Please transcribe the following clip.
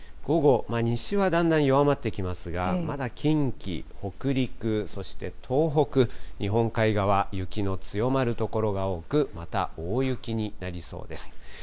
午後、西はだんだん弱まってきますが、まだ近畿、北陸、そして東北、日本海側、雪の強まる所が多く、また大雪になりそうです。